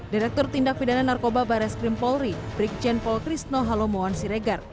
direktur tindak pindahan narkoba barreskrim polri brigjen polkrisno halomoansiregar